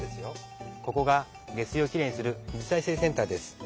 ここが下水をきれいにする水再生センターです。